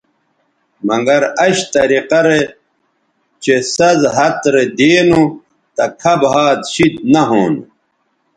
مگر اش طریقہ رے چہء سَز ھَت رے دی نو تہ کھب ھَات شید نہ ھونو